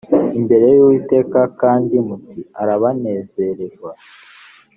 imbere y uwiteka kandi muti arabanezererwa